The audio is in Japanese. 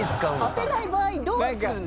あてない場合どうするの？